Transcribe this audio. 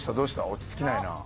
落ち着きないな。